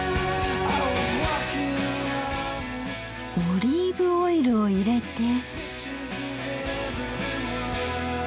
オリーブオイルを入れて。